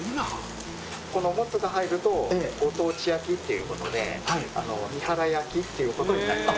このもつが入るとご当地焼きっていうことであの三原焼っていうことになります